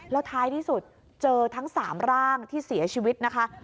แล้วท้ายที่สุดเจอทั้ง๓ร่างที่เสียชีวิตนะคะ